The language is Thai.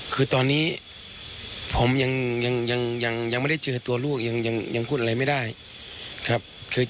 คือตอนนี้ผมยังไม่ได้เจอตัวลูกยังพูดอะไรไม่ได้ครับ